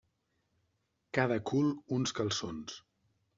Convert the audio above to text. Cada cul, uns calçons.